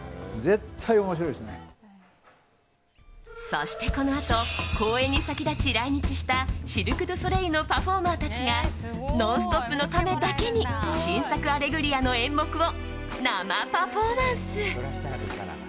そして、このあと公演に先立ち来日したシルク・ドゥ・ソレイユのパフォーマーたちが「ノンストップ！」のためだけに新作「アレグリア」の演目を生パフォーマンス。